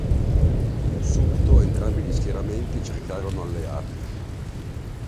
Subito entrambi gli schieramenti cercarono alleati.